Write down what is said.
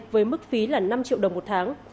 với mức phí là năm triệu đồng một tháng